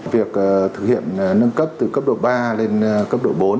việc thực hiện nâng cấp từ cấp độ ba lên cấp độ bốn